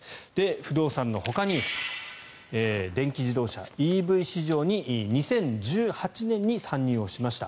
不動産のほかに電気自動車・ＥＶ市場に２０１８年に参入をしました。